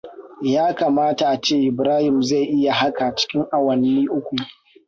Ya kamata a ce Ibrahim zai iya haka cikin awanni uku.